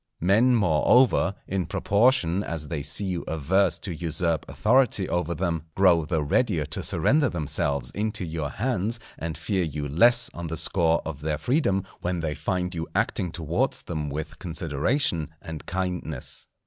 Men, moreover, in proportion as they see you averse to usurp authority over them, grow the readier to surrender themselves into your hands; and fear you less on the score of their freedom, when they find you acting towards them with consideration and kindness.